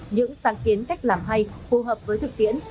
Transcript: những sáng kiến cách làm hay phù hợp với thực tiễn